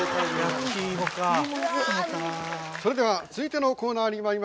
それでは続いてのコーナーにまいりましょう。